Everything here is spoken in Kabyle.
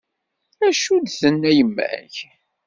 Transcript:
Acu d-tenna yemma-k?